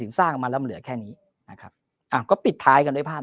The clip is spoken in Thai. ถึงสร้างมาลำเหลือแค่นี้นะครับก็ปิดท้ายกันด้วยภาพ